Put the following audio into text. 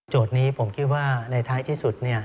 นี้ผมคิดว่าในท้ายที่สุด